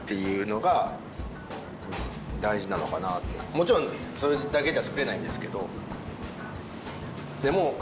もちろんそれだけじゃ作れないんですけど